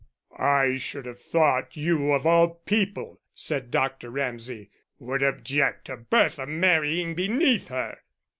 "I should have thought you of all people," said Dr. Ramsay, "would object to Bertha marrying beneath her."